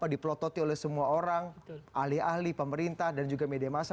diplototi oleh semua orang ahli ahli pemerintah dan juga media masa